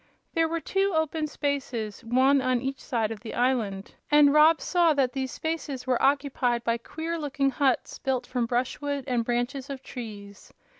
There were two open spaces, one on each side of the island, and Rob saw that these spaces were occupied by queer looking huts built from brushwood and branches of trees.